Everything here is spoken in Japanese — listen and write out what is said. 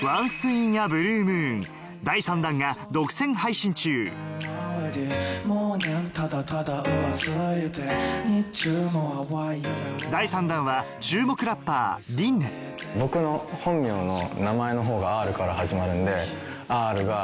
日中も淡い夢を第３弾は注目ラッパー僕の本名の名前のほうがＲから始まるんで「Ｒ」。